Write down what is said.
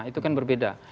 itu kan berbeda